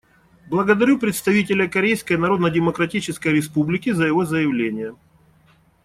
Благодарю представителя Корейской Народно-Демократической Республики за его заявление.